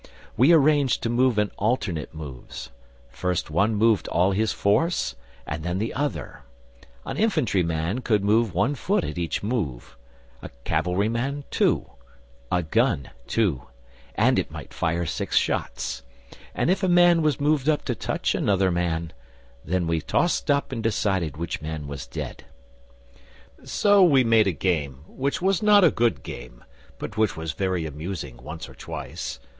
We arranged to move in alternate moves: first one moved all his force and then the other; an infantry man could move one foot at each move, a cavalry man two, a gun two, and it might fire six shots; and if a man was moved up to touch another man, then we tossed up and decided which man was dead. So we made a game, which was not a good game, but which was very amusing once or twice.